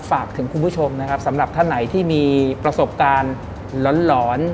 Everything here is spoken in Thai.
ฝากถึงคุณผู้ชมนะครับสำหรับท่านไหนที่มีประสบการณ์หลอน